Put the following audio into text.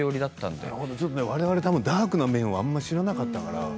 われわれはダークな面をあまり知らなかったので。